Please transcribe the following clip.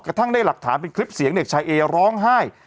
กระทั่งได้หลักฐานเป็นคลิปเสียงเด็กชายเอร้องไห้